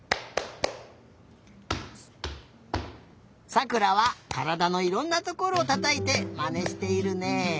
さくらはからだのいろんなところたたいてまねしているね。